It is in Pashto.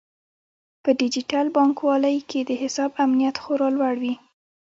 په ډیجیټل بانکوالۍ کې د حساب امنیت خورا لوړ وي.